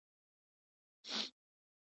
د نوښت لپاره کارېدونکې منابع لرې کړل شوې وای.